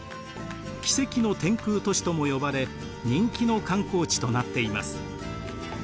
奇跡の天空都市とも呼ばれ人気の観光地となっています。